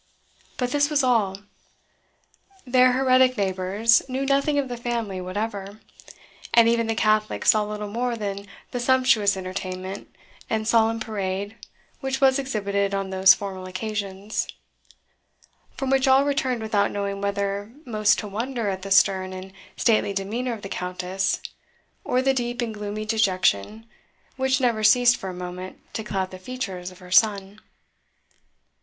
But this was all; their heretic neighbours knew nothing of the family whatever; and even the Catholics saw little more than the sumptuous entertainment and solemn parade which was exhibited on those formal occasions, from which all returned without knowing whether most to wonder at the stern and stately demeanour of the Countess, or the deep and gloomy dejection which never ceased for a moment to cloud the features of her son.